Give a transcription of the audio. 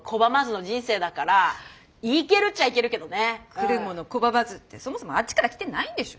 来るもの拒まずってそもそもあっちから来てないんでしょ？